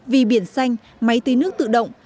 vì biển xanh máy tí nước tự động